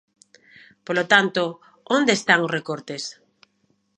Polo tanto, ¿onde están os recortes?